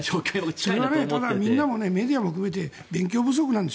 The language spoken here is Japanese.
それはメディアも含めて勉強不足なんです。